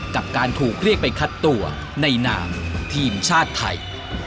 กับการถูกเรียกไปคัดตัวในนามทีมชาติไทย